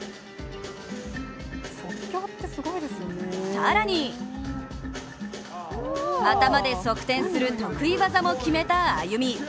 更に頭で側転する得意技も決めたＡＹＵＭＩ。